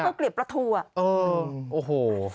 ข้าวเกลียบประทัวร์